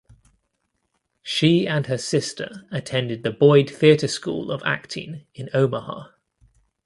She and her sister attended the Boyd Theater School of Acting in Omaha.